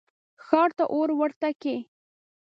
ښار ته اور ورته کئ.